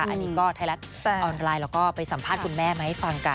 อันนี้ก็ไทยรัฐออนไลน์เราก็ไปสัมภาษณ์คุณแม่มาให้ฟังกัน